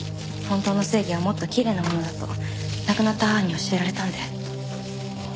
本当の正義はもっときれいなものだと亡くなった母に教えられたんで。